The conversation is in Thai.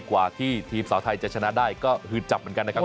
กว่าที่ทีมสาวไทยจะชนะได้ก็คือจับเหมือนกันนะครับ